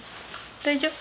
大丈夫。